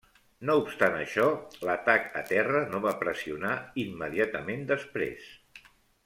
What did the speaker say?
No obstant això, l'atac a terra no va pressionar immediatament després.